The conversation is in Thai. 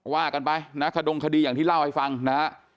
ว่ากันไปนะขดงคดีอย่างที่เล่าให้ฟังนะฮะ